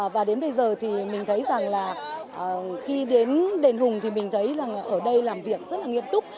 và đến bây giờ thì mình thấy rằng là khi đến đền hùng thì mình thấy là ở đây làm việc rất là nghiêm túc